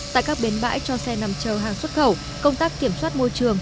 tại các bến bãi cho xe nằm chờ hàng xuất khẩu công tác kiểm soát môi trường